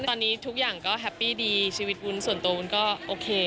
ตอนนี้ทุกอย่างก็แฮปปี้ดีชีวิตวุ้นส่วนตัววุ้นก็โอเค